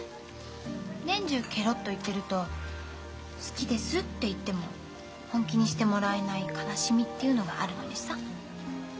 年中ケロッと言ってると好きですって言っても本気にしてもらえない悲しみっていうのがあるのにさ。